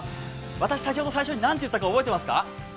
私、先ほど最初に何と言ったか覚えていますか？